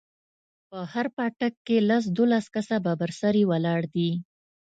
په هر پاټک کښې لس دولس کسه ببر سري ولاړ دي.